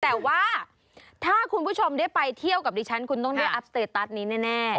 แต่ว่าถ้าคุณผู้ชมได้ไปเที่ยวกับดิฉันคุณต้องได้อัพสเตตัสนี้แน่